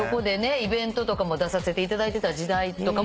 イベントとかも出させていただいてた時代。